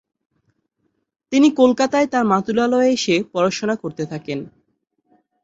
তিনি কলকাতায় তাঁর মাতুলালয়ে এসে পড়াশোনা করতে থাকেন।